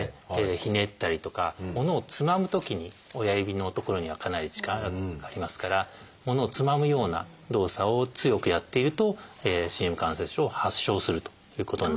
ひねったりとか物をつまむときに親指の所にはかなり力がかかりますから物をつまむような動作を強くやっているとＣＭ関節症を発症するということになります。